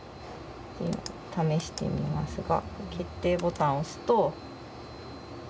試してみますが決定ボタンを押すと。